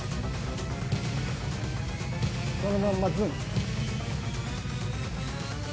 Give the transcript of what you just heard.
そのまんまズン。